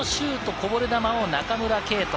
こぼれ球を中村敬斗。